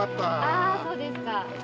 ああそうですか。